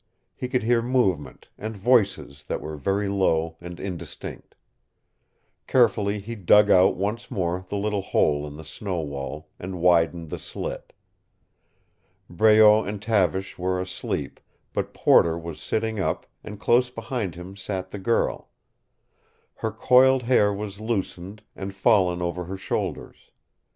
He could hear movement, and voices that were very low and indistinct. Carefully he dug out once more the little hole in the snow wall, and widened the slit. Breault and Tavish were asleep, but Porter was sitting up, and close beside him sat the girl. Her coiled hair was loosened, and fallen over her shoulders.